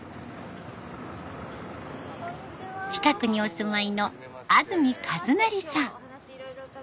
近くにお住まいの安住一成さん。